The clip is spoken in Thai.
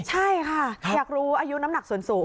ใช่ค่ะอยากรู้อายุน้ำหนักส่วนสูง